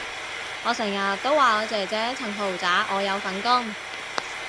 我成日都話我姐姐層豪宅我有份供